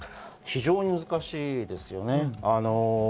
非常に難しいですよね。